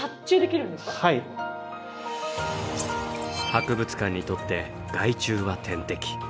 博物館にとって害虫は天敵。